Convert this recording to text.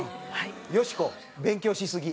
よしこ勉強しすぎ！